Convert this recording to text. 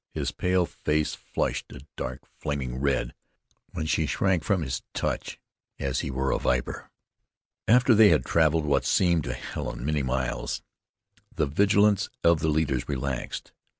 His pale face flushed a dark, flaming red when she shrank from his touch as if he were a viper. After they had traveled what seemed to Helen many miles, the vigilance of the leaders relaxed.